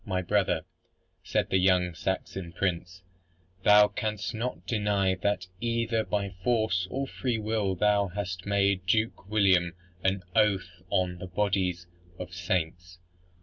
"My brother", said the young Saxon prince, "thou canst not deny that either by force or free will thou hast made Duke William an oath on the bodies of saints.